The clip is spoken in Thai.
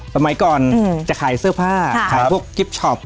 สมัยก่อนจะขายเสื้อผ้าขายพวกกิฟต์ช็อป